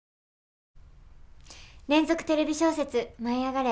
連続テレビ小説「舞いあがれ！」